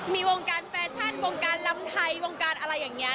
มีวงการแฟชั่นวงการลำไทยวงการอะไรอย่างนี้